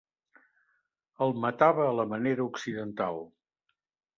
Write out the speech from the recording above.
El matava a la manera occidental.